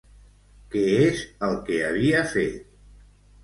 Què és el que havia fet?